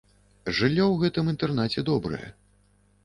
Жыллё ў гэтым інтэрнаце добрае.